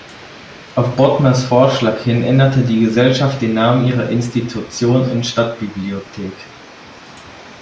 Auf Bodmers Vorschlag hin änderte die Gesellschaft den Namen ihrer Institution in "Stadtbibliothek".